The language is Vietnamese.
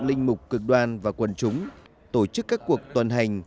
linh mục cực đoan và quần chúng tổ chức các cuộc tuần hành